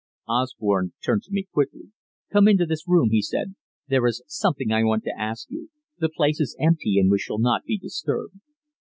Osborne turned to me quickly. "Come into this room," he said. "There is something I want to ask you. The place is empty, and we shall not be disturbed."